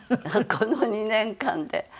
この２年間で。